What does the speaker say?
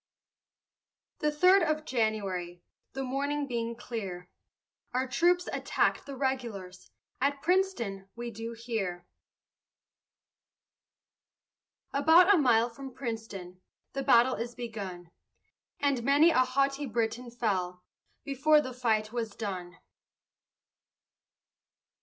The third of January, The morning being clear, Our troops attack'd the regulars, At Princeton, we do hear. About a mile from Princeton, The battle is begun, And many a haughty Briton fell Before the fight was done.